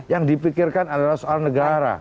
yang dipikirkan adalah soal negara